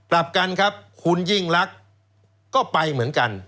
กลับกันครับคุณยิ่งรักก็ไปเหมือนกัน